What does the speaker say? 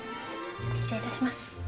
失礼いたします。